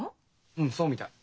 うんそうみたい。